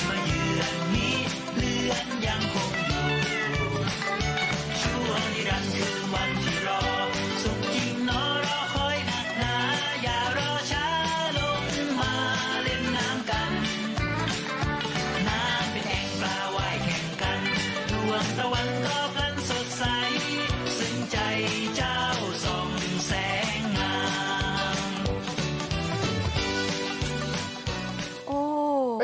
โอ้สองหนึ่งแสงน้ำ